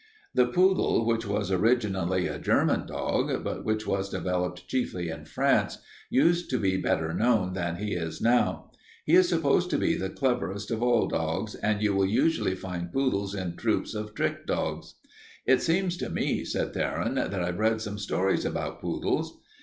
"The poodle, which was originally a German dog but which was developed chiefly in France, used to be better known than he is now. He is supposed to be the cleverest of all dogs and you will usually find poodles in troops of trick dogs." "It seems to me," said Theron, "that I've read some stories about poodles."